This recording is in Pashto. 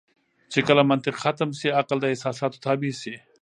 چې کله منطق ختم شي عقل د احساساتو تابع شي.